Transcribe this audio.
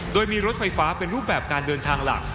โดยมีรถไฟฟ้าเป็นรูปแบบการเดินทางหลัก